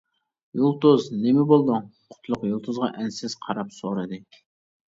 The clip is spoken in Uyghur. -يۇلتۇز نېمە بولدۇڭ؟ -قۇتلۇق يۇلتۇزغا ئەنسىز قاراپ سورىدى.